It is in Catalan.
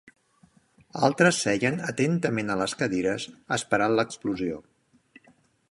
Altres seien atentament a les cadires, esperant l'explosió.